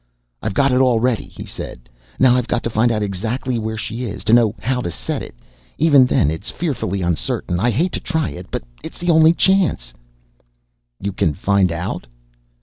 "I've got it all ready," he said. "Now, I've got to find out exactly where she is, to know how to set it. Even then it's fearfully uncertain. I hate to try it, but it's the only chance. "You can find out?"